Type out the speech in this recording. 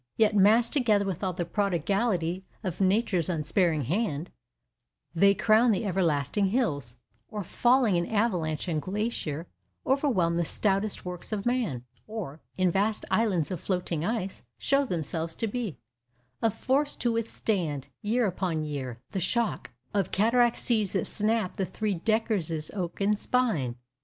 Yet—massed together with all the prodigality of Nature's unsparing hand—they crown the everlasting hills; or, falling in avalanche and glacier, overwhelm the stoutest works of man; or, in vast islands of floating ice, show themselves to be Of force to withstand, year upon year, the shock Of cataract seas that snap the three decker's oaken spine.